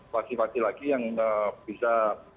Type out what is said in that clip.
faksi faksi lagi yang bisa